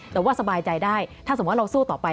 แต่ว่าสบายใจได้ถ้าสมมุติเราสู้ต่อไป